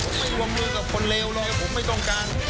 ผมไม่รวมมือกับคนเลวเลยผมไม่ต้องการ